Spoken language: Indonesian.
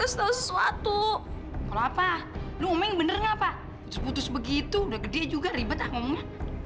sampai jumpa di video selanjutnya